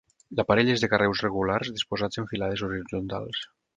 L'aparell és de carreus regulars disposats en filades horitzontals.